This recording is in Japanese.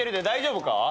大丈夫か？